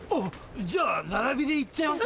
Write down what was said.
じゃあ並びで行っちゃいますか？